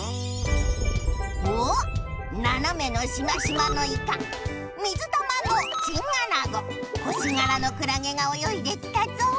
おっななめのしましまのイカ水玉のチンアナゴ星がらのクラゲがおよいできたぞ。